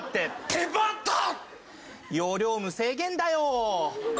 容量無制限だよ。